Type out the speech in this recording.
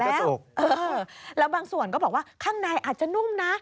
แล้วบางส่วนก็บอกว่าข้างในอาจจะนุ่มนะ